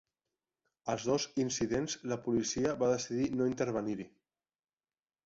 Als dos incidents, la policia va decidir no intervenir-hi.